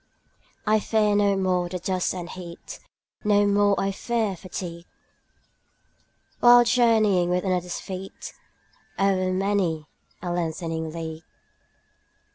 I fear no more the dust and heat, 25 No more I fear fatigue, While journeying with another's feet O'er many a lengthening league.